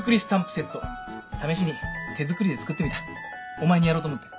お前にやろうと思って。